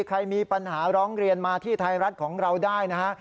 ใครมีปัญหาร้องเรียนมาที่ไทยรัฐของเราได้นะฮะ